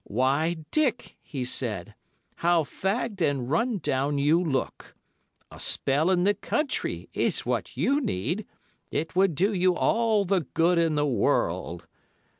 'Why, Dick,' he said, 'how fagged and run down you look. A spell in the country is what you need, it would do you all the good in the world.